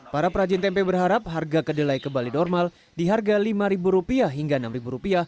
para perajin tempe berharap harga kedelai kembali normal di harga rp lima hingga rp enam